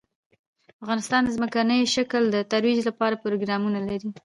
افغانستان د ځمکنی شکل د ترویج لپاره پروګرامونه لري.